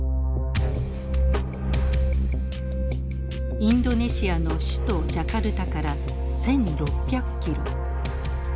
インドネシアの首都ジャカルタから１，６００キロ。